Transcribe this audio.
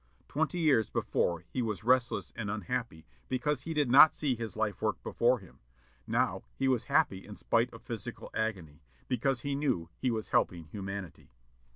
Twenty years before he was restless and unhappy because he did not see his life work before him; now he was happy in spite of physical agony, because he knew he was helping humanity.